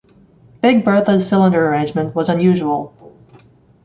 Big Bertha's cylinder arrangement was unusual.